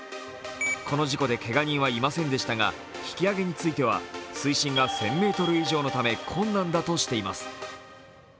この事故でけが人はいませんでしたが、引き揚げについては水深が１０００ｍ以上のため困難だとしています。